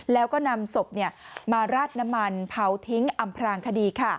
แล้วก็นำศพมาราดน้ำมันเผาทิ้งอำพรางคดี